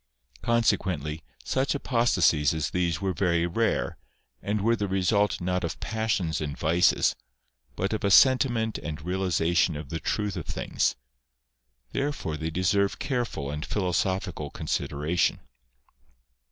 Consequently, such apostasies as these were very rare, and were the result not of pas sions and vices, but of a sentiment and realisation of the truth of things. Therefore they deserve careful and philo sophical consideration.